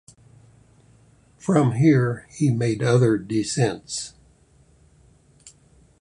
From here, he made other descents.